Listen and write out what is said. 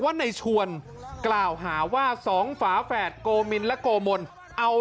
ว่าในชวนกล่าวหาว่าสองฝาแฝดโกมินและโกมลเอา